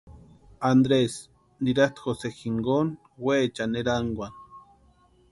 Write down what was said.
Andresi nirasti Jose jinkoni weechani erankwani.